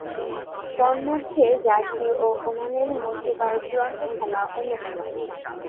তন্মধ্যে জার্সি ও ওমানের মধ্যকার চূড়ান্ত খেলা অন্যতম।